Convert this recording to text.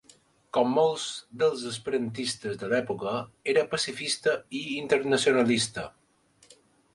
Com molts dels esperantistes de l'època, era pacifista i internacionalista.